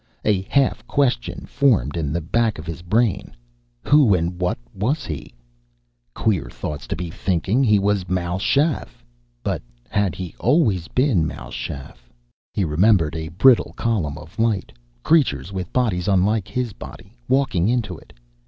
A half question formed in the back of his brain. Who and what was he? Queer thoughts to be thinking! He was Mal Shaff, but had he always been Mal Shaff? He remembered a brittle column of light, creatures with bodies unlike his body, walking into it.